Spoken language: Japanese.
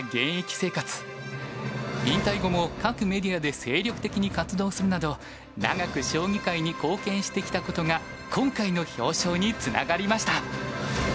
引退後も各メディアで精力的に活動するなど長く将棋界に貢献してきたことが今回の表彰につながりました。